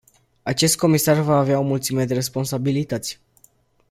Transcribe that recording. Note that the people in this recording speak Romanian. Acest comisar va avea o mulțime de responsabilități.